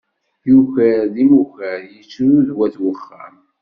Yuker d imukar, ittru d wat uxxam.